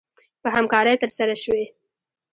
په همکارۍ ترسره شوې